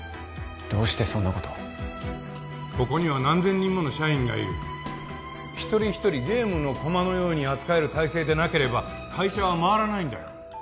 どうしてそんなことをここには何千人もの社員がいる一人一人ゲームの駒のように扱える体制でなければ会社は回らないんだよ